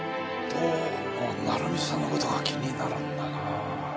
どうも成美さんの事が気になるんだな。